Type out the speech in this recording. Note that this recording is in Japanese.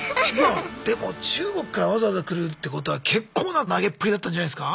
でも中国からわざわざ来るってことは結構な投げっぷりだったんじゃないすか？